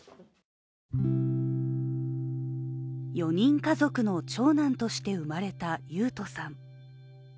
４人家族の長男として生まれた雄斗さん。